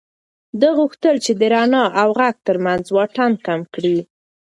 ده غوښتل چې د رڼا او غږ تر منځ واټن کم کړي.